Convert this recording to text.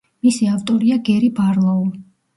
მისი ავტორია გერი ბარლოუ.